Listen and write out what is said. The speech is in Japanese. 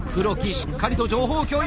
しっかりと情報共有！